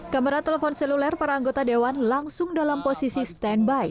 kamera telepon seluler para anggota dewan langsung dalam posisi standby